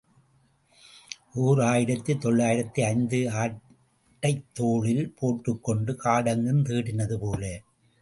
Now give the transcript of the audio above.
ஓர் ஆயிரத்து தொள்ளாயிரத்து ஐந்து ஆட்டைத் தோளில் போட்டுக் கொண்டு காடெங்கும் தேடினது போல.